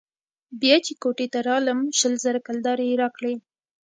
بيا چې كوټې ته راتلم شل زره كلدارې يې راکړې.